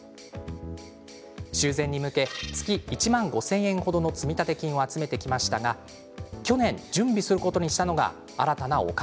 修繕に向け月１万５０００円程の積立金を集めてきましたが去年、準備することにしたのが新たなお金。